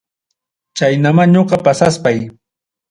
Chaynama ñoqa pasaspay.